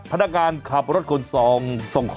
ตั้งแต่วันที่๑กรกฎาคมถึง๓๑ธันวาคมไปนี้นั่นเองครับ